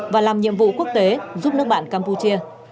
và làm nhiệm vụ quốc tế giúp nước bạn campuchia